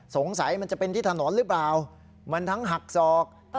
สงสัยมันจะเป็นที่ถนนหรือเปล่ามันทั้งหักศอก